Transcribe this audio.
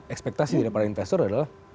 ekspektasi dari para investor adalah